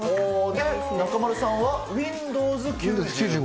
中丸さんはウインドウズ９５。